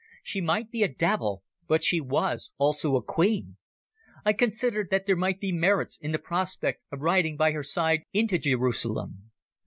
She might be a devil, but she was also a queen. I considered that there might be merits in the prospect of riding by her side into Jerusalem.